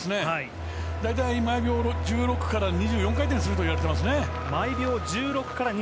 大体毎秒１６から２４回転するといわれています。